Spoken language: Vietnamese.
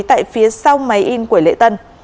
tại phía sau máy in của lễ tân